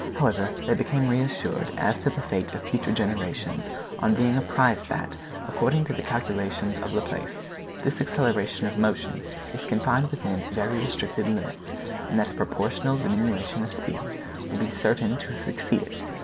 However, they became reassured as to the fate of future generations on being apprised that, according to the calculations of Laplace, this acceleration of motion is confined within very restricted limits, and that a proportional diminution of speed will be certain to succeed it.